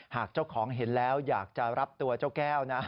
หากเจ้าของเห็นแล้วอยากจะรับตัวเจ้าแก้วนะ